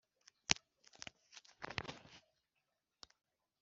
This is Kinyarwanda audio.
N'ubu ngo aracyabunga yabangiye ingata ibirenge